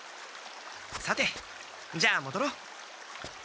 さてじゃあもどろう。